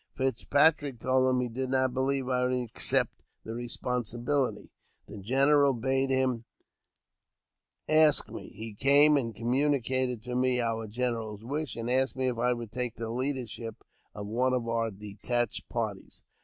Fitzpatrick told him he did not believe I would accept the responsibility. The general bade him ask me. He came and communicated to me our general's wish, and asked me if I would take the leadership of one of our detached parties.